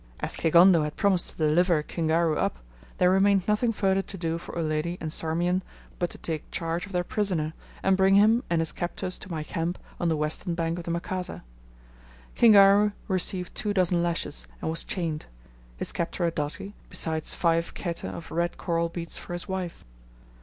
'" As Kigondo had promised to deliver Kingaru up, there remained nothing further to do for Uledi and Sarmean but to take charge of their prisoner, and bring him and his captors to my camp on the western bank of the Makata. Kingaru received two dozen lashes, and was chained; his captor a doti, besides five khete of red coral beads for his wife.